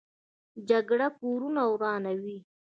جګړه کورونه ورانوي